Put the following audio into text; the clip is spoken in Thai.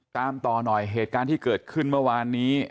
ตามต่อหน่อยเหตุการณ์ที่เกิดขึ้นเมื่อวานนี้